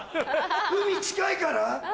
海近いから？